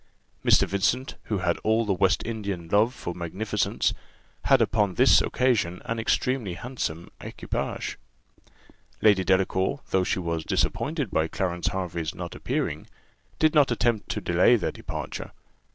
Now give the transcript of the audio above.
Mr. Vincent, who had all the West Indian love for magnificence, had upon this occasion an extremely handsome equipage. Lady Delacour, though she was disappointed by Clarence Hervey's not appearing, did not attempt to delay their departure.